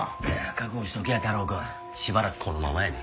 覚悟しときや太郎くん。しばらくこのままやで。